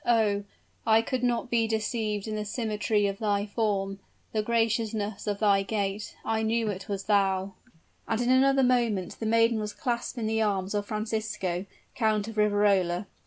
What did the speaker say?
Oh! I could not be deceived in the symmetry of thy form the graciousness of thy gait I knew it was thou." And in another moment the maiden was clasped in the arms of Francisco, Count of Riverola.